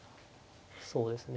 そうですね。